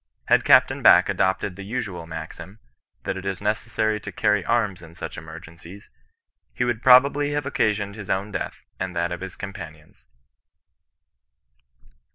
Had Capt. Back adopted the usual maxim, that it is necessary to cany arms in such emergencies, he would probably have occasioned his own death and that of his companions."